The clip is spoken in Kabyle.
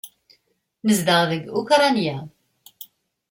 Nezdeɣ deg Ukṛanya.